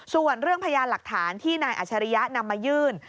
ส่วนเรื่องพยานหลักฐานที่นายอัชริยะนำมายื่น